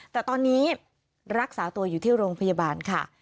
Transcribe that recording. แต่ตอนนี้รักษาตัวอยู่ที่โรงพยาบาลค่ะ